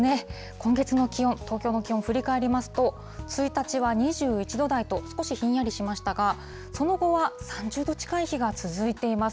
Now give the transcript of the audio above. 今月の気温、東京の気温、振り返りますと、１日は２１度台と少しひんやりしましたが、その後は３０度近い日が続いています。